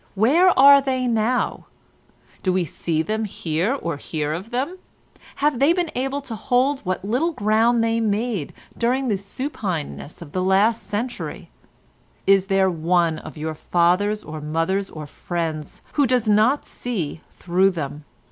Where are they now? Do we see them or hear of them? Have they been able to hold what little ground they made during the supineness of the last century? Is there one of your fathers or mothers or friends who does not see through them?